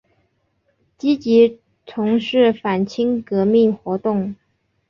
积极从事反清革命活动。